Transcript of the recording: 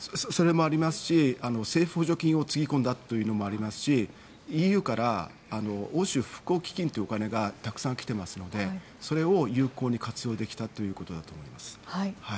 それもありますし政府補助金をつぎ込んだというのもありますしＥＵから欧州復興基金というお金がたくさん来てますのでそれを有効に活用できたということだと思います。